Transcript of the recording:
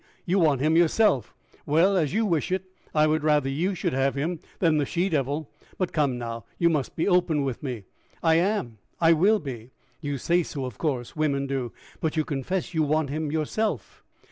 you want him yourself! Well, as you wish it, I would rather you should have him than that she devil. But come, now, you must be open with me." "I am. I will be." "You say so, of course. Women do. But you confess you want him yourself?"